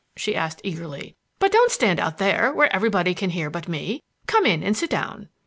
she asked eagerly. "But don't stand out there where everybody can hear but me. Come in and sit down."